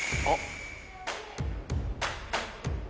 あっ！